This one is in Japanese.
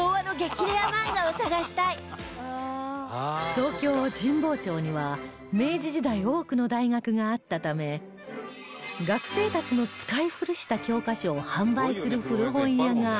東京神保町には明治時代多くの大学があったため学生たちの使い古した教科書を販売する古本屋が集まるように